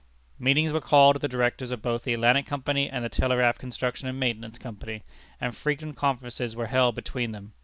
Meetings were called of the Directors of both the Atlantic Company and the Telegraph Construction and Maintenance Company; and frequent conferences were held between them.